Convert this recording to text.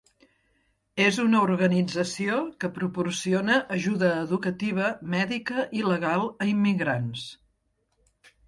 És una organització que proporciona ajuda educativa, mèdica i legal a immigrants.